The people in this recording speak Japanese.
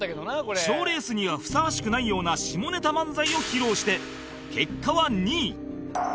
賞レースにはふさわしくないような下ネタ漫才を披露して結果は２位